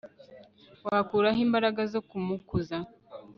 wakura he imbaraga zo kumukuza